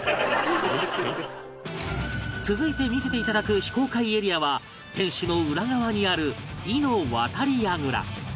続いて見せていただく非公開エリアは天守の裏側にあるイの渡櫓